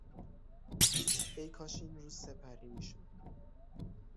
ای کاش این روز سپری میشد!